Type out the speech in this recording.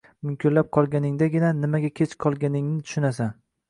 Munkillab qolganingdagina nimaga kech qolganingni tushunasan.